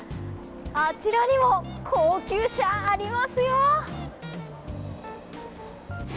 あちらにも、高級車ありますよ！